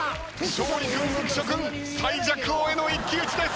勝利君浮所君最弱王への一騎打ちです！